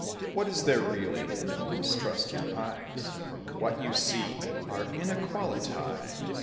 What is there really? No, mistrust your eyes, For what you see are inequalities.